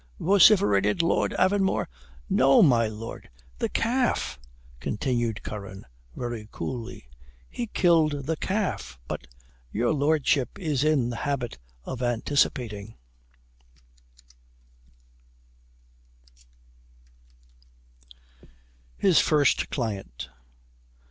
vociferated Lord Avonmore. "No, my Lord, the calf," continued Curran, very coolly; "he killed the calf, but your Lordship is in the habit of anticipating." HIS FIRST CLIENT.